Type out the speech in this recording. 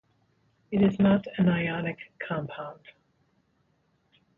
It is not a ionic compound.